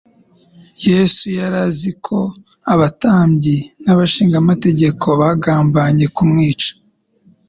Yesu yari azi ko abatambyi n'abigishamategeko bagambinye kumwica,